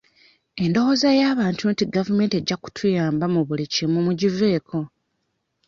Endowooza y'abantu nti gavumenti ejja kutuyamba mu buli kimu mugiveeko.